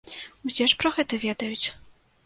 Усе ж пра гэта ведаюць.